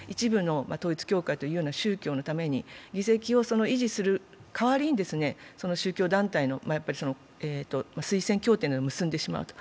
一部の統一教会というような宗教のために議席を維持する代わりに、宗教団体の推薦協定を結んでしまう。